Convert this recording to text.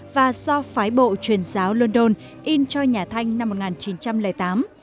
và do phái bộ truyền giáo london in cho nhà thanh năm một nghìn chín trăm linh tám